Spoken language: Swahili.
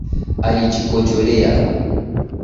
Alijikojolea